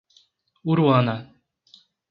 Uruana